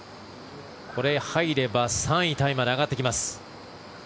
これが入れば３位タイまで上がってきます。